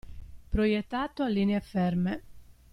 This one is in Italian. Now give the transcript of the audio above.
Proiettato a linee ferme.